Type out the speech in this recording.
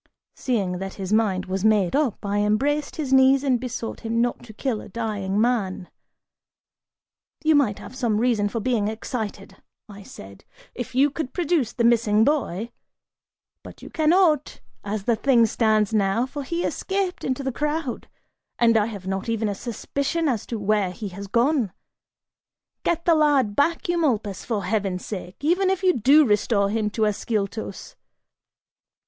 Seeing that his mind was made up, I embraced his knees and besought him not to kill a dying man. "You might have some reason for being excited," I said, "if you could produce the missing boy, but you cannot, as the thing stands now, for he escaped into the crowd and I have not even a suspicion as to where he has gone! Get the lad back, Eumolpus, for heaven's sake, even if you do restore him to Ascyltos!"